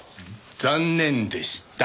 残念でした。